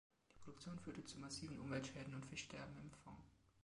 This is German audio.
Die Produktion führte zu massiven Umweltschäden und Fischsterben im Phong.